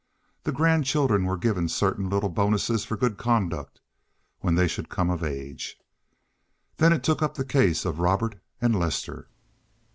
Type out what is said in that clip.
The grandchildren were given certain little bonuses for good conduct, when they should come of age. Then it took up the cases of Robert and Lester.